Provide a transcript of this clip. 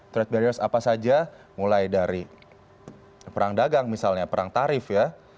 trade barriers apa saja mulai dari perang dagang misalnya perang tarif ya